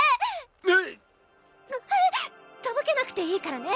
なっ⁉えっ⁉とぼけなくていいからね。